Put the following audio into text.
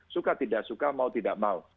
suka tidak suka mau tidak mau